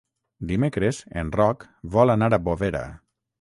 Dimecres en Roc vol anar a Bovera.